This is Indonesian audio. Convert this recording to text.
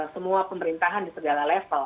semua pemerintahan di segala level